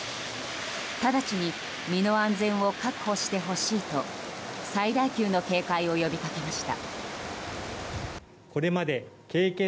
直ちに身の安全を確保してほしいと最大級の警戒を呼びかけました。